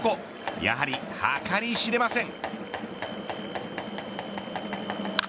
やはり計り知れません。